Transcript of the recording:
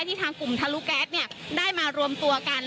ที่ทางกลุ่มทะลุแก๊สได้มารวมตัวกัน